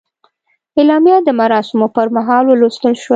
اعلامیه د مراسمو پر مهال ولوستل شوه.